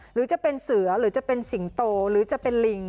หรือจะเป็นเสือหรือจะเป็นสิงโตหรือจะเป็นลิง